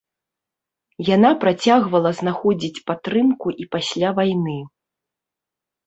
Яна працягвала знаходзіць падтрымку і пасля вайны.